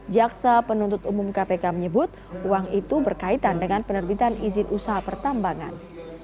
jaksa penuntut umum kpk menyebut uang itu berkaitan dengan penerbitan izin usaha pertambangan